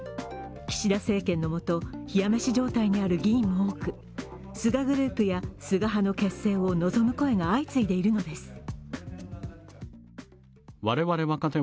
岸田政権のもと、冷や飯状態にある議員も多く、菅グループや菅派の結成を望む声が相次いでいるのです。